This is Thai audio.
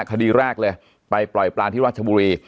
คดีแรกเลยไปปล่อยปลาที่ราชบุรี